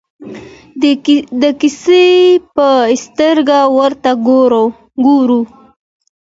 د کیسې په سترګه ورته ګورو.